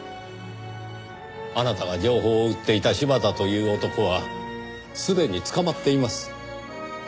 あなたが情報を売っていた柴田という男はすでに捕まっています。